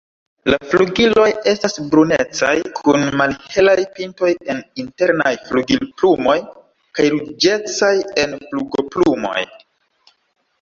La flugiloj estas brunecaj kun malhelaj pintoj en internaj flugilplumoj kaj ruĝecaj en flugoplumoj.